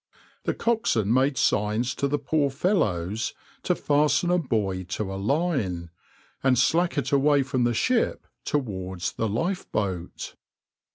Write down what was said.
The coxswain made signs to the poor fellows to fasten a buoy to a line, and slack it away from the ship towards the lifeboat.